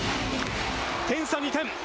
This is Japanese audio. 点差２点。